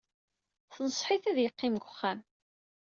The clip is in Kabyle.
Tenṣeḥ-it ad yeqqim deg wexxam.